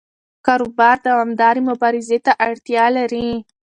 کاروبار دوامدارې مبارزې ته اړتیا لري.